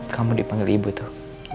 kamu dipanggil ibu tuh